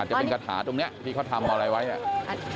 อ่าจะเป็นกระถาตรงเนี่ยที่เขาทำเอาอะไรไว้อ่ะ